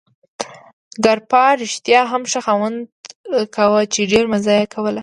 ګراپا رښتیا هم ښه خوند کاوه، چې ډېره مزه یې کوله.